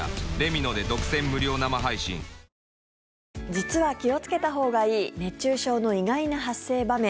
実は気をつけたほうがいい熱中症の意外な発生場面。